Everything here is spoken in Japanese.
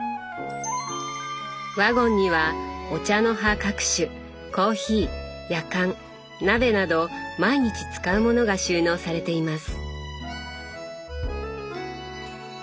ワゴンにはお茶の葉各種コーヒーやかん鍋など毎日使うものが収納されています。